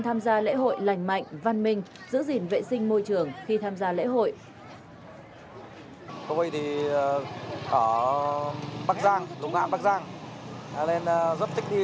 tham gia lễ hội lành mạnh văn minh giữ gìn vệ sinh môi trường khi tham gia lễ hội